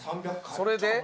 それで？